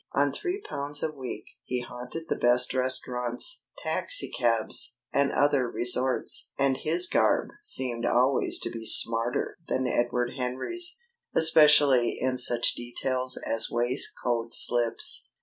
On three pounds a week he haunted the best restaurants, taxicabs, and other resorts, and his garb seemed always to be smarter than Edward Henry's, especially in such details as waistcoat slips.